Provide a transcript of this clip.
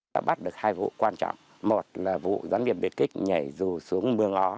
đã bắt được hai vụ quan trọng một là vụ doanh nghiệp biệt kích nhảy dù xuống mương ó